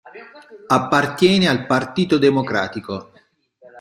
Appartiene al Partito Democratico.